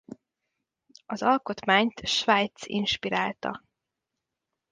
Az alkotmányt Svájc inspirálta.